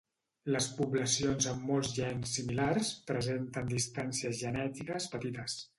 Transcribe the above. Les poblacions amb molts gens similars presenten distàncies genètiques petites.